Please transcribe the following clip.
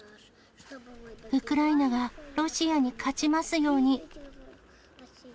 ウクライナがロシアに勝ちますように。